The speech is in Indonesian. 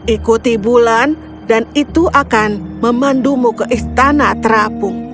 ikuti bulan dan itu akan memandumu ke istana terapung